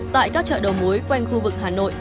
tại các chợ đầu mối quanh khu vực hà nội